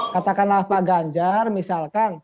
katakanlah pak ganjar misalkan